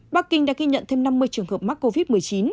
bắc kinh đã ghi nhận thêm năm mươi trường hợp mắc covid một mươi chín